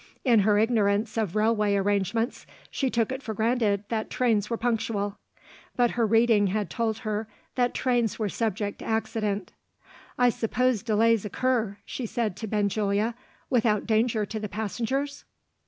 In her ignorance of railway arrangements, she took it for granted that trains were punctual. But her reading had told her that trains were subject to accident. "I suppose delays occur," she said to Benjulia, "without danger to the passengers?"